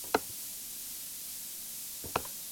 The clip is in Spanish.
Es hijo del cantautor granadino Juan Trova.